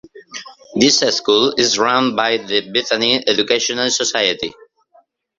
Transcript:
This school is run by the Bethany Educational Society.